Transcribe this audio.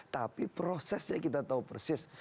tapi prosesnya kita tahu persis